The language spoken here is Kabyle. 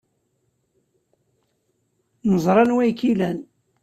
Neẓra anwa ay k-ilan.